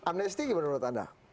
amnesty gimana menurut anda